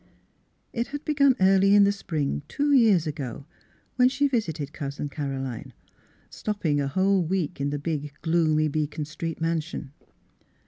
It had begun early in the spring two years ago, when she visited Cousin Caroline, stopping a whole week in the big, gloomy Beacon Street mansion.